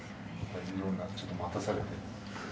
ちょっと待たされて。